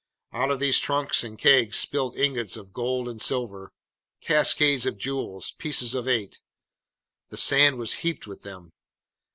Out of these trunks and kegs spilled ingots of gold and silver, cascades of jewels, pieces of eight. The sand was heaped with them.